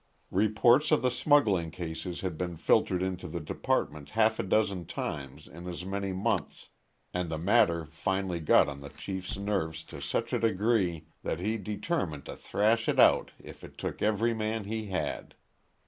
Reports of the smuggling cases had been filtered into the department half a dozen times in as many months, and the matter finally got on the chief's nerves to such a degree that he determined to thrash it out if it took every man he had.